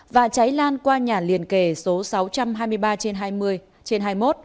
và cháy lan qua nhà liền kề số sáu trăm hai mươi ba trên hai mươi trên hai mươi một